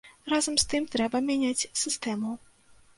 Разам з тым, трэба мяняць сістэму.